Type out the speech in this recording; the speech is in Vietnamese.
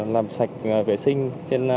làm sạch vệ sinh trên các vùng biển